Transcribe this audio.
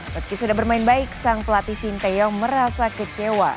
meski sudah bermain baik sang pelatih sinteyong merasa kecewa